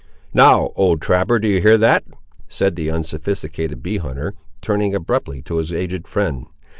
"Now, old trapper, do you hear that!" said the unsophisticated bee hunter, turning abruptly to his aged friend.